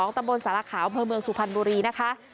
ตำบลสาระขาวเมืองสุพรรณบุรีนะคะ